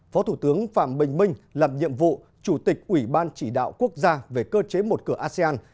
phó thủ tướng phạm bình minh làm nhiệm vụ chủ tịch ủy ban chỉ đạo quốc gia về cơ chế một cửa asean